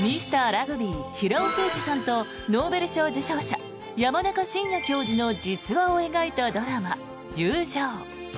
ラグビー平尾誠二さんとノーベル賞受賞者山中伸弥教授の実話を描いたドラマ「友情」。